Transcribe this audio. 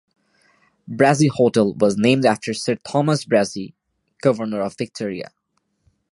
Brassey Hotel was named after Sir Thomas Brassey, Governor of Victoria.